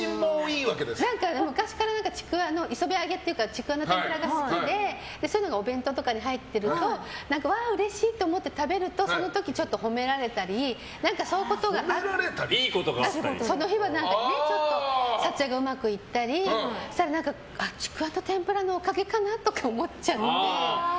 昔からちくわの磯辺揚げっていうかちくわの天ぷらが好きでそういうのがお弁当とかに入っててわーうれしいと思って食べるとその時ちょっと褒められたり撮影がうまくいったりしてちくわの天ぷらのおかげかなとか思っちゃうので。